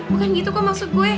bukan gitu kok maksud gue